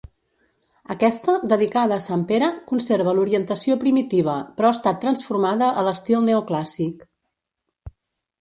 Aquesta, dedicada a Sant Pere, conserva l'orientació primitiva, però ha estat transformada a l'estil neoclàssic.